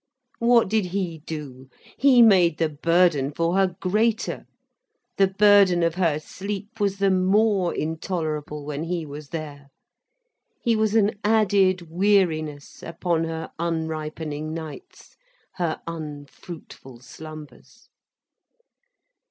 What did he do, he made the burden for her greater, the burden of her sleep was the more intolerable, when he was there. He was an added weariness upon her unripening nights, her unfruitful slumbers.